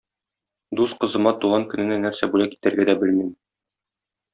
Дус кызыма туган көненә нәрсә бүләк итәргә дә белмим.